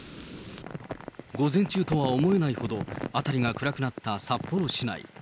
午前中とは思えないほど辺りが暗くなった札幌市内。